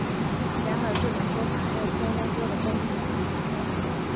然而这种说法还有相当多的争议。